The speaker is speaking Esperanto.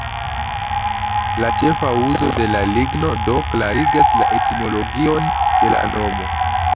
La ĉefa uzo de la ligno do klarigas la etimologion de la nomo.